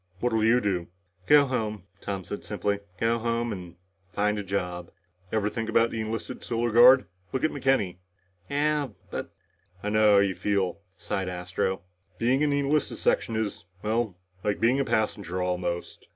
"What'll you do?" "Go home," said Tom simply. "Go home and and find a job." "Ever think about the enlisted Solar Guard? Look at McKenny " "Yeah but " "I know how you feel," sighed Astro. "Being in the enlisted section is like well, being a passenger almost."